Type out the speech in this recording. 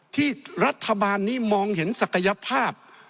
ที่รัฐบาลนี้มองเห็นศักยภาพ